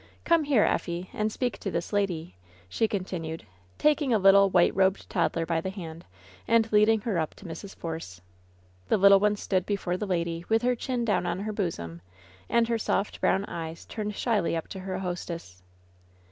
"Come here, Effie, and speak to this lady," she continued, taking a little, white robed toddler by the hand and leading her up to Mrs. Force. The little one stood before the lady, with her chin down on her bosom, and her soft brown eyes turned shyly up to her hostess.